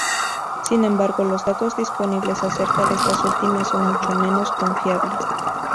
Sin embargo, los datos disponibles acerca de estas últimas son mucho menos confiables.